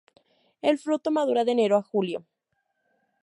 El fruto madura de enero a julio.